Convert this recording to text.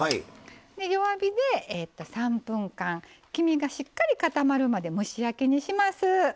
弱火で３分間、黄身がしっかり固まるまで蒸し焼きにします。